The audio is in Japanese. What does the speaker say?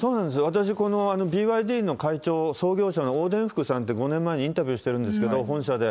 私、このＢＹＤの会長、創業者のおうでんふくさんって、５年前にインタビューしてるんですけど、本社で。